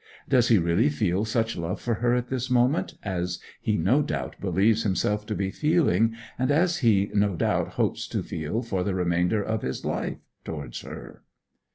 Does he really feel such love for her at this moment as he no doubt believes himself to be feeling, and as he no doubt hopes to feel for the remainder of his life towards her?